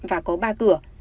và có ba cửa